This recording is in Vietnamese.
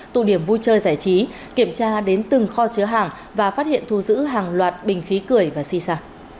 tụ điểm vui chơi giải trí kiểm tra đến từng kho chứa hàng và phát hiện thu giữ hàng loạt bình khí cười và si xả